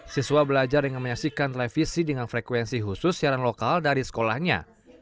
siswa belajar dengan menyaksikan televisi dengan frekuensi khusus siaran lokal dari sekolahnya